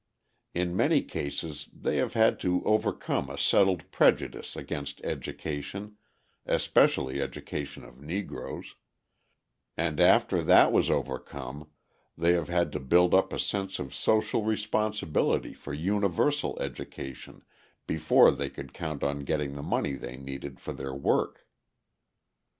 In many cases they have had to overcome a settled prejudice against education, especially education of Negroes; and after that was overcome they have had to build up a sense of social responsibility for universal education before they could count on getting the money they needed for their work.